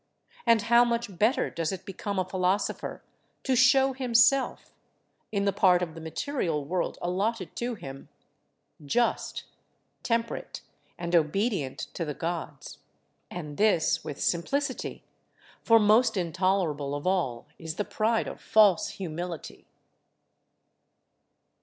And how much better does it become a philosopher to show himself, in the part of the material world allotted to him, just, temperate, and obedient to the Gods; and this with simplicity; for most intolerable of all is the pride of false humility.